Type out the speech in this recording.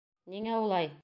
Ниңә улай?..